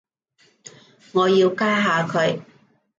我要加下佢